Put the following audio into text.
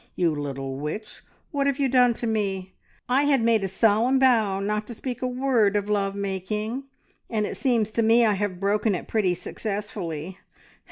You little witch, what have you done to me? I had made a solemn vow not to speak a word of love making, and it seems to me I have broken it pretty successfully.